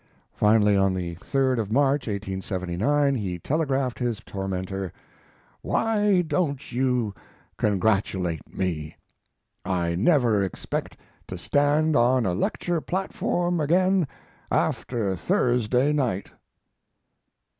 Finally, on the 3d of March (1879.) he telegraphed his tormentor: "Why don't you congratulate me? I never expect to stand on a lecture platform again after Thursday night."